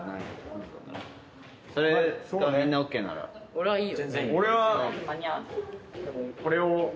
俺はいいよ。